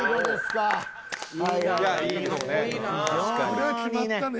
これは決まったね。